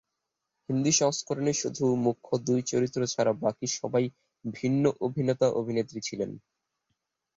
হিন্দি সংস্করণে শুধু মুখ্য দুই চরিত্র ছাড়া বাকি সবাই ভিন্ন অভিনেতা-অভিনেত্রী ছিলেন।